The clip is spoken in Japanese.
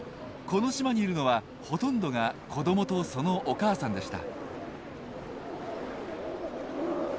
この島にいるのはほとんどが子どもとそのお母さんでした。